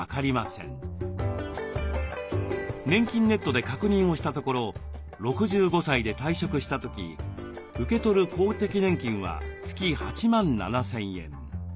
「ねんきんネット」で確認をしたところ６５歳で退職した時受け取る公的年金は月８万７，０００円。